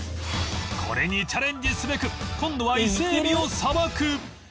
これにチャレンジすべく今度は伊勢海老をさばく